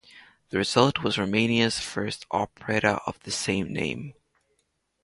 The result was Romania's first operetta of the same name.